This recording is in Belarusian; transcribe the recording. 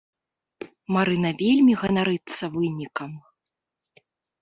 Марына вельмі ганарыцца вынікам.